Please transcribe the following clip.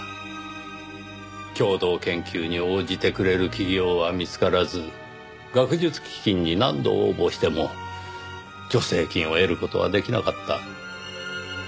共同研究に応じてくれる企業は見つからず学術基金に何度応募しても助成金を得る事はできなかった。